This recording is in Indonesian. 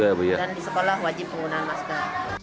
dan di sekolah wajib penggunaan masker